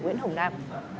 nguyễn hồng nam